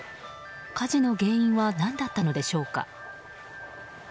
火事の原因は何だったのでしょうか。